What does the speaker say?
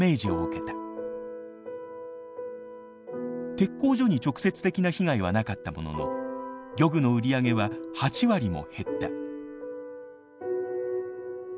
鉄工所に直接的な被害はなかったものの漁具の売り上げは８割も減った。